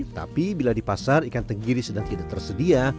tapi bila di pasar ikan tenggiri sedang tidak tersedia